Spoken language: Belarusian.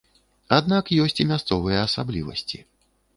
Аднак ёсць і мясцовыя асаблівасці.